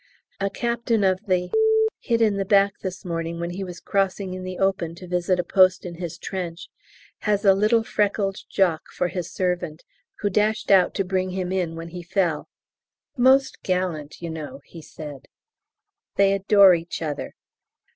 A Captain of the , hit in the back this morning when he was crossing in the open to visit a post in his trench, has a little freckled Jock for his servant, who dashed out to bring him in when he fell. "Most gallant, you know," he said. They adore each other.